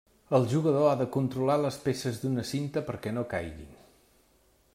El jugador ha de controlar les peces d'una cinta perquè no caiguin.